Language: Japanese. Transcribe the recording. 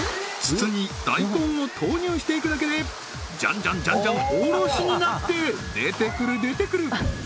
筒に大根を投入していくだけでジャンジャンジャンジャンおろしになって出てくる出てくる！